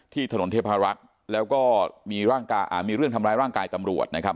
ถนนเทพารักษ์แล้วก็มีเรื่องทำร้ายร่างกายตำรวจนะครับ